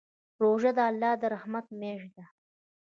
روژه د الله د رحمت میاشت ده.